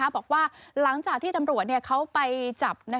บอกว่าหลังจากที่ตำรวจเขาไปจับ